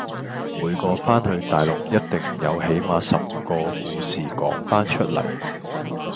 每個番去大陸一定有起碼十個故事講番出嚟